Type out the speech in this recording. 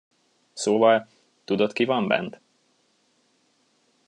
Szóval, tudod, ki van bent?